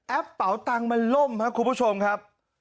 เป๋าตังค์มันล่มครับคุณผู้ชมครับ